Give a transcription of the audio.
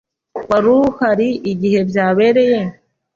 Wari uhari igihe byabereye?